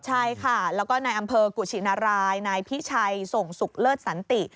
ใช่ค่ะแล้วก็ในอำเภอกุชินารายนายพิชัยส่งสุขเลิศสันติ